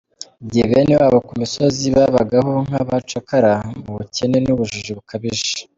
Igihe bene wabo ku misozi babagaho nk’abacakara mu bukene n’ubujiji bukabije.